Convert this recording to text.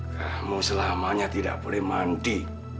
kamu selamanya tidak boleh mandi